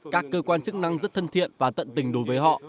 các cơ quan chức năng rất thân thiện và tận tình đối với họ